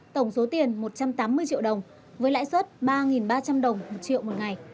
tổng số tiền một trăm tám mươi triệu đồng với lãi suất ba ba trăm linh đồng một triệu một ngày